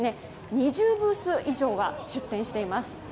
２０ブース以上が出店しています。